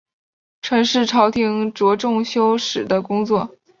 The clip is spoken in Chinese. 陈氏朝廷着重修史的工作。